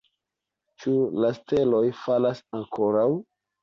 Ĉu la steloj falas ankoraŭ?